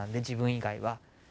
自分以外は。